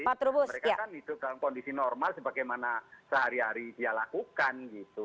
mereka kan hidup dalam kondisi normal sebagaimana sehari hari dia lakukan gitu